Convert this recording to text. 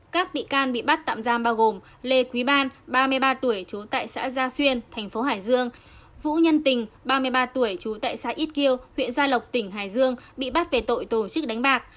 các bị can bị bắt tạm giam bao gồm lê quý ban ba mươi ba tuổi trú tại xã gia xuyên thành phố hải dương vũ nhân tình ba mươi ba tuổi trú tại xã ít kiêu huyện gia lộc tỉnh hải dương bị bắt về tội tổ chức đánh bạc